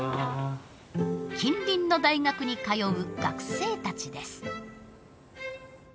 近隣の大学に通う学生たちです。